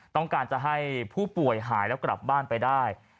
ต้องการจะให้ผู้ป่วยหายแล้วกลับบ้านไปได้